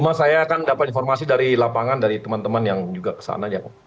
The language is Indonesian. cuma saya kan dapat informasi dari lapangan dari teman teman yang juga kesana aja kok